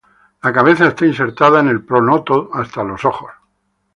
La cabeza está insertada en el pronoto hasta los ojos.